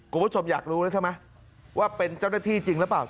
คุณผู้ชมอยากรู้แล้วใช่ไหมว่าเป็นเจ้าหน้าที่จริงหรือเปล่า